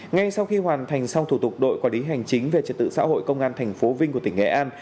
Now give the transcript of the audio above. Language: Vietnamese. ngay sau khi hoàn thành xong thủ tục đội quản lý hành chính về trật tự xã hội công an tp vinh của tỉnh nghệ an